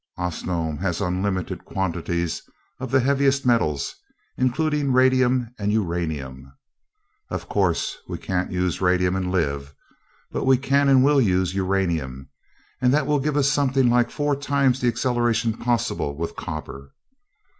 Osnome has unlimited quantities of the heaviest metals, including radium and uranium. Of course we can't use radium and live but we can and will use uranium, and that will give us something like four times the acceleration possible with copper.